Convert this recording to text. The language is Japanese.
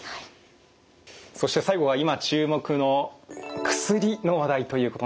そして最後は今注目の薬の話題ということなんですが。